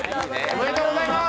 おめでとうございます。